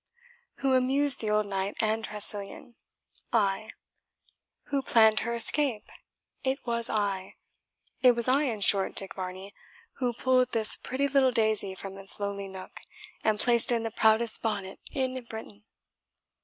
Who amused the old knight and Tressilian? I. Who planned her escape? it was I. It was I, in short, Dick Varney, who pulled this pretty little daisy from its lowly nook, and placed it in the proudest bonnet in Britain."